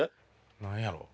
何やろ？